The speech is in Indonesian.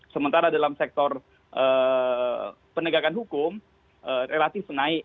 sementara dalam sektor penegakan hukum relatif naik